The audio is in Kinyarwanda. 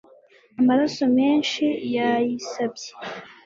Amaraso menshi yayisabye